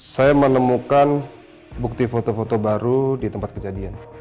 saya menemukan bukti foto foto baru di tempat kejadian